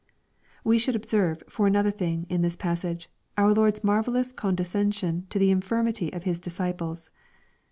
We should observe, for another thing, in this passage, our Lord's marvellous condescension to the inJirmUy of His disciples.